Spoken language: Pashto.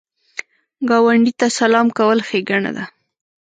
ګاونډي ته سلام کول ښېګڼه ده